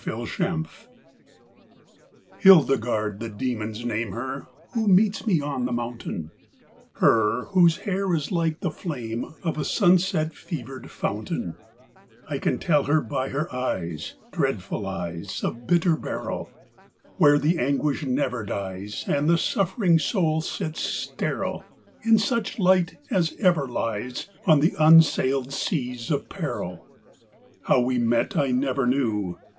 HILDEGARD I Hildegard the dæmons name Her, who meets me on the mountain: Her, whose hair is like the flame Of a sunset fevered fountain: I can tell her by her eyes, Dreadful eyes of bitter beryl, Where the anguish never dies, And the suffering soul sits sterile In such light as ever lies On the unsailed seas of peril. II How we met I never knew.